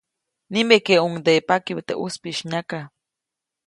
Nimekeʼuŋdeʼe pakibä teʼ ʼuspiʼis nyaka.